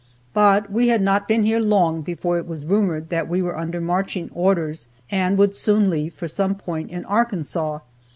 But we had not been here long before it was rumored that we were under marching orders, and would soon leave for some point in Arkansas.